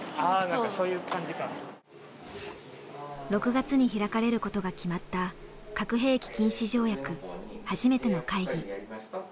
６月に開かれることが決まった核兵器禁止条約初めての会議。